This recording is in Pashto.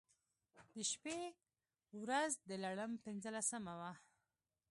د شبې و رځ د لړم پنځلسمه وه.